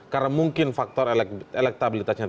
karena mungkin faktor elektabilitasnya